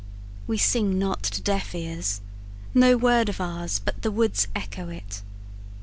We sing not to deaf ears; no word of ours But the woods echo it.